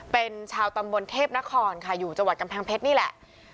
เป็นชาวตำบลเทพนครค่ะอยู่จังหวัดกำแพงเพชรนี่แหละ